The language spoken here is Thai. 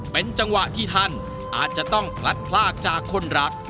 เป็นจังหวะที่ท่านอาจจะต้องพลัดพลากจากคนรัก